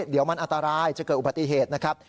เดี๋ยวมันอันตรายจะเกิดอุบัติเหตุนะครับ